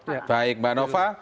baik baik mbak nova